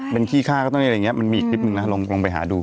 เป็นขี้ฆ่าก็ต้องได้อะไรอย่างเงี้มันมีอีกคลิปนึงนะลองไปหาดู